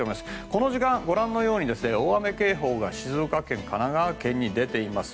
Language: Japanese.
この時間、大雨警報が静岡県と神奈川県に出ています。